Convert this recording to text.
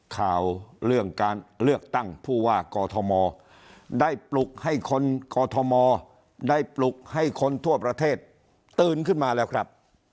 ข่าวเรื่องการเลือกตั้งผู้ว่ากอทมได้ปลุกให้คนกอทมได้ปลุกให้คนทั่วประเทศตื่นขึ้นมาแล้วครับ